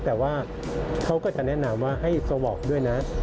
แต่ว่าเขาก็จะแนะนำว่าให้สวอปด้วยนะ